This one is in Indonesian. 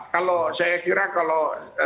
kalau saya kira kalau